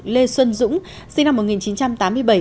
lê xuân dũng sinh năm một nghìn chín trăm tám mươi bảy